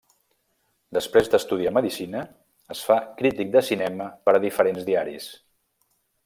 Després d'estudiar medicina, es fa crític de cinema per a diferents diaris.